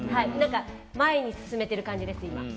前に進めてる感じです、今。